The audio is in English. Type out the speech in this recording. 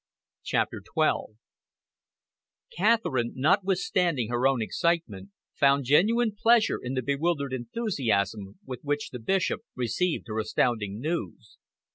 CHAPTER XII Catherine, notwithstanding her own excitement, found genuine pleasure in the bewildered enthusiasm with which the Bishop received her astounding news.